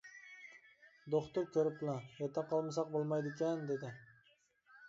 دوختۇر كۆرۈپلا ياتاققا ئالمىساق بولمايدىكەن، دېدى.